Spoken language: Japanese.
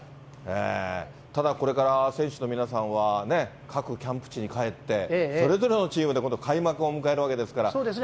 ただ、これから選手の皆さんは各キャンプ地に帰って、それぞれのチームで今度、開幕を迎えるわけですから、そうですね。